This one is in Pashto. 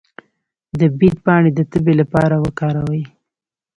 د بید پاڼې د تبې لپاره وکاروئ